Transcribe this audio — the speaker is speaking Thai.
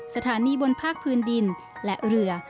สถานีบนภาคพื้นดินและเรือ